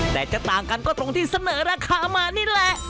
แต่จะต่างกันก็ตรงที่เสนอราคามานี่แหละ